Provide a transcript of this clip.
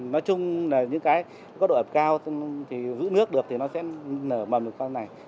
nói chung là những cái có độ ẩm cao thì giữ nước được thì nó sẽ nở mầm được con này